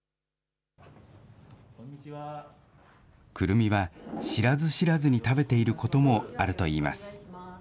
くるみは知らず知らずに食べていることもあるといいます。